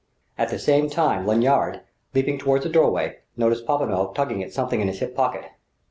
At the same time Lanyard, leaping toward the doorway, noticed Popinot tugging at something in his hip pocket.